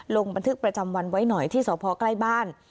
ลงบันทึกประจำวันไว้หน่อยที่สพใกล้บ้าน